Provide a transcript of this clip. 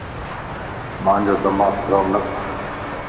مانجو دماغ خراب نڪر